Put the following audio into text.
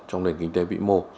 trong nền kinh tế vĩ mô